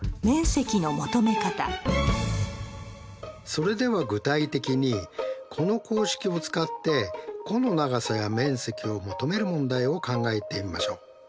それでは具体的にこの公式を使って弧の長さや面積を求める問題を考えてみましょう。